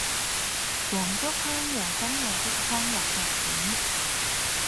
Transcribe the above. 黃竹坑和新圍的康樂發展